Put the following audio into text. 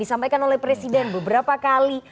disampaikan oleh presiden beberapa kali